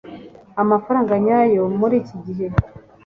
amafaranga nyayo muriki gihe